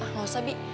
ah gak usah bi